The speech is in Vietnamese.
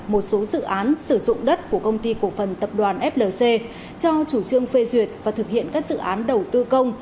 một số dự án sử dụng đất của công ty cổ phần tập đoàn flc cho chủ trương phê duyệt và thực hiện các dự án đầu tư công